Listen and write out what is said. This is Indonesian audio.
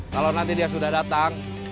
kalau nanti dia sudah datang